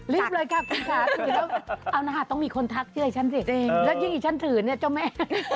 รีบเลยค่ะต้องมีคนทักเชื่อฉันสิแล้วจริงฉันถือเนี่ยเจ้าแม่